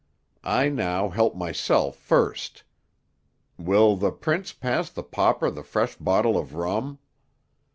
I now help myself first. Will the Prince pass the Pauper the fresh bottle of rum?"